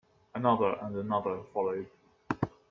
Another and another followed.